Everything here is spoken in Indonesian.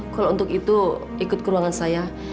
kalau untuk itu ikut ke ruangan saya